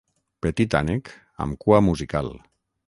Petit ànec amb cua musical.